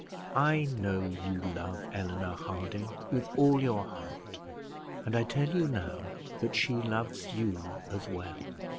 I know you love Eleanor Harding with all your heart, and I tell you now that she loves you as well.